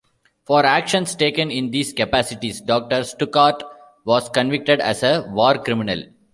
For actions taken in these capacities, Doctor Stuckart was convicted as a war criminal.